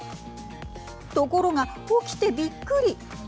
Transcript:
ところが起きてびっくり。